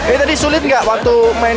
eh tadi sulit nggak waktu main